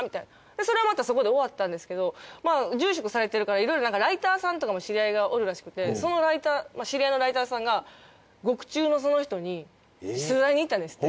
それはまたそこで終わったんですけど住職されてるからいろいろライターさんとかも知り合いがおるらしくて知り合いのライターさんが獄中のその人に取材に行ったんですって。